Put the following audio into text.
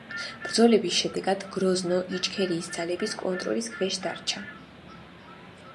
ბრძოლების შედეგად გროზნო იჩქერიის ძალების კონტროლის ქვეშ დარჩა.